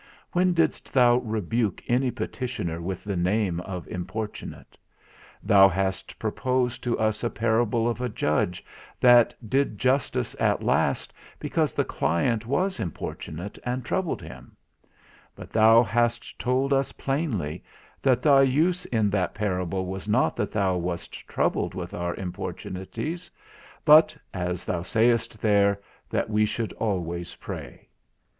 When didst thou rebuke any petitioner with the name of importunate? Thou hast proposed to us a parable of a judge that did justice at last, because the client was importunate, and troubled him; but thou hast told us plainly, that thy use in that parable was not that thou wast troubled with our importunities, but (as thou sayest there) that we should always pray.